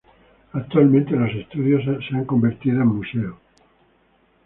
Actualmente los estudios han sido convertidos en museo.